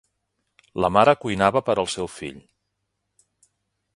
La mare cuinava per al seu fill.